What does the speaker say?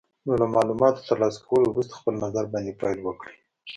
نو له مالوماتو تر لاسه کولو وروسته خپل نظر باندې پیل وکړئ.